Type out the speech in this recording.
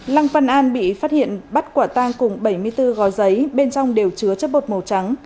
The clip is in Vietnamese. lăng văn an bị phát hiện bắt quả tang cùng bảy mươi bốn gói giấy bên trong đều chứa chất bột màu trắng